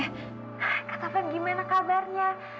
kak tovan gimana kabarnya